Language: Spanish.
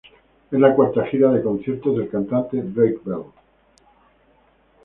Es la cuarta gira de conciertos del cantante Drake Bell.